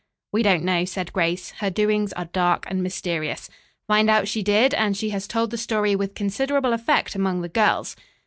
"We don't know," said Grace. "Her doings are dark and mysterious. Find out she did; and she has told the story with considerable effect among the girls."